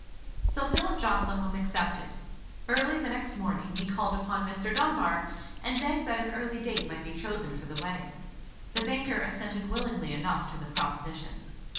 So Philip Jocelyn was accepted. Early the next morning he called again upon Mr. Dunbar, and begged that an early date might be chosen for the wedding. The banker assented willingly enough to the proposition.